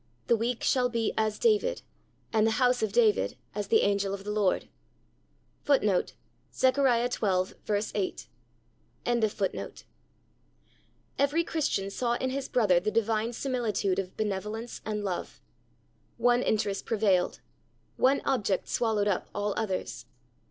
The weak shall be "as David," and the house of David "as the angel of the Lord."'^ Eveiy Christian saw in his brother the divine similitude of benevolence and love. One interest prevailed. One object swallowed up all others.